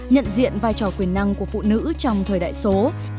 nhận diện vai trò quyền năng của phụ nữ trong thời đại số